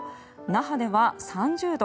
那覇では３０度。